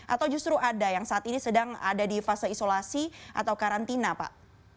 atau justru ada yang saat ini sedang ada di fase isolasi atau karantina pak